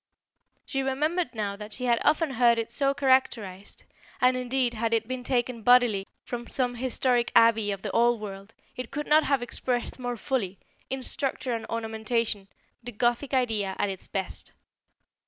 She remembered now that she had often heard it so characterized, and, indeed, had it been taken bodily from some historic abbey of the old world, it could not have expressed more fully, in structure and ornamentation, the Gothic idea at its best.